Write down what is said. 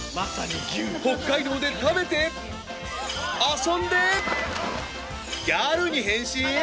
北海道で食べて、遊んでギャルに変身？